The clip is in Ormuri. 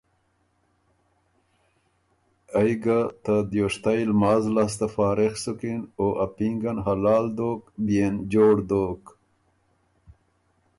ائ ګه که ته دیوشتئ لماز لاسته فارغ سُکِن ا پینګن حلال دوک بيې ن جوړ دوک۔